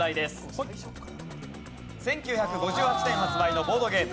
１９５８年発売のボードゲーム。